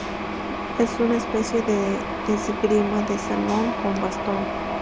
Es una especie de esgrima de salón, con bastón.